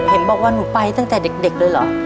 เห็นบอกว่าหนูไปตั้งแต่เด็กเลยเหรอ